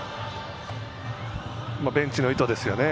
ベンチの意図ですよね